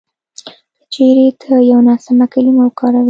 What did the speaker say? که چېرې ته یوه ناسمه کلیمه وکاروې